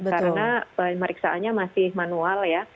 karena periksaannya masih manual ya